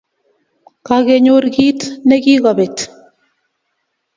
Kakenyor kit ne kokabet